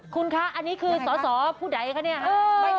คุณคะอันนี้คือสอสอผู้ใดคะเนี่ย